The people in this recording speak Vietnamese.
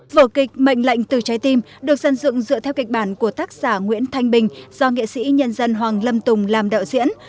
vở kịch mệnh lệnh từ trái tim được dân dựng dựa theo kịch bản của tác giả nguyễn thanh bình do nghệ sĩ nhân dân hoàng lâm tùng làm đạo diễn